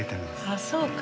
あっそうか。